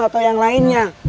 atau yang lainnya